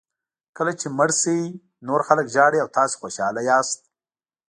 کله چې مړ شئ نور خلک ژاړي او تاسو خوشاله وئ.